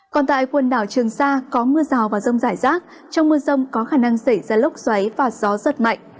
còn tại quần đảo trường sa có mưa rào và rông rải rác trong mưa rông có khả năng xảy ra lốc xoáy và gió giật mạnh